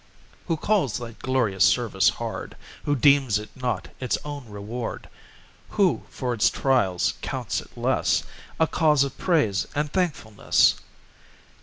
Who calls thy glorious service hard? Who deems it not its own reward? Who, for its trials, counts it less A cause of praise and thankfulness?